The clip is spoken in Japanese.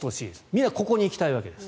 みんなここに行きたいわけです。